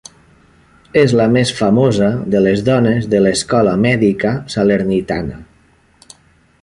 És la més famosa de les dones de l'escola mèdica Salernitana.